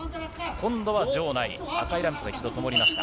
今度は場内に赤いランプが一度ともりました。